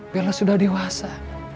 bella sudah dewasa